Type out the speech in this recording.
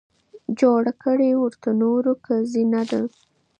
جوړه کړې ورته نورو که زينه ده